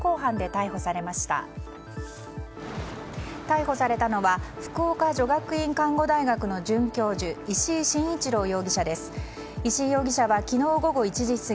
逮捕されたのは福岡女学院看護大学の准教授石井慎一郎容疑者です。